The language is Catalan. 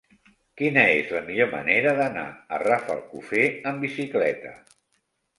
Quina és la millor manera d'anar a Rafelcofer amb bicicleta?